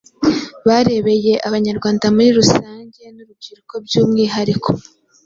Babereye Abanyarwanda muri rusange n’urubyiruko by’umwihariko,